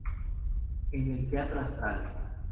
En el Teatro Astral.